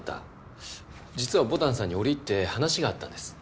実は牡丹さんに折り入って話があったんです。